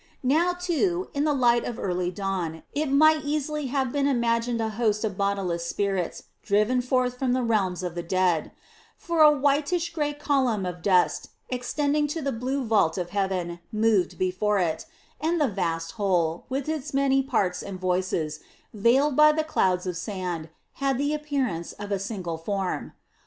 Now, too, in the light of early dawn, it might easily have been imagined a host of bodiless spirits driven forth from the realms of the dead; for a whitish grey column of dust extending to the blue vault of heaven moved before it, and the vast whole, with its many parts and voices, veiled by the clouds of sand, had the appearance of a single form.